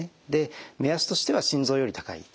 目安としては心臓より高い位置。